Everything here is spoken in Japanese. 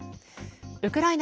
ウクライナ